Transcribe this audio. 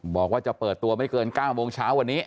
บอกว่าจะเปิดตัวไม่เกิน๙โมงเช้าวันนี้